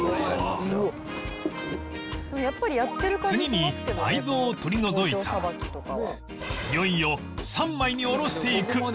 次に内臓を取り除いたらいよいよ３枚におろしていく